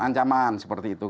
ancaman seperti itu